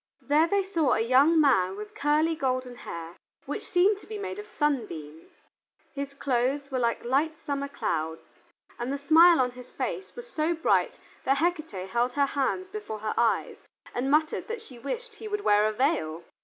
There they saw a young man with curly golden hair which seemed to be made of sunbeams. His clothes were like light summer clouds, and the smile on his face was so bright that Hecate held her hands before her eyes and muttered that she wished he would wear a veil!